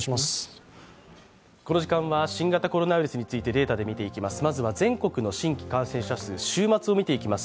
この時間は新型コロナウイルスについてデータで見ていきます。